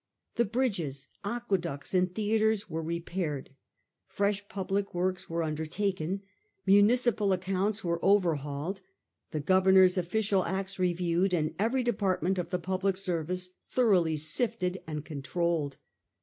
The bridges, aqueducts, and theatres were repaired, fresh public works were under taken, municipal accounts were overhauled, the governors^ official acts reviewed, and every department of the public service thoroughly sifted and controlled.